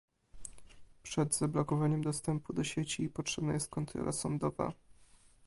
Przed zablokowaniem dostępu do sieci potrzebna jest kontrola sądowa